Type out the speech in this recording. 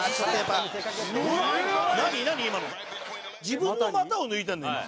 自分の股を抜いたんだ今。